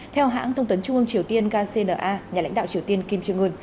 theo hãng thông tấn trung ương triều tiên kcna nhà lãnh đạo triều tiên kim trương ưn